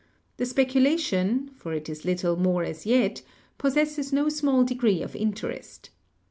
The specula tion, for it is little more as yet, possesses no small degree of interest.